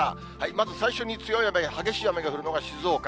まず最初に強い雨、激しい雨が降るのが静岡。